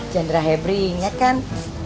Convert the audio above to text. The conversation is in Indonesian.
jendera hebring ya kan